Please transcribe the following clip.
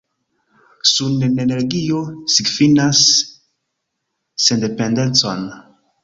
Sunenenergio signifas sendependecon!